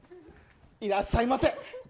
いらっしゃいませ！